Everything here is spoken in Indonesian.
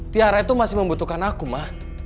tiara itu masih membutuhkan aku mah